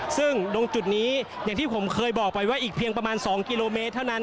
ซึ่งตรงจุดนี้อย่างที่ผมเคยบอกไปว่าอีกเพียงประมาณ๒กิโลเมตรเท่านั้น